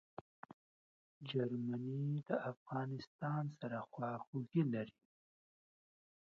جرمني د افغانستان سره خواخوږي لري.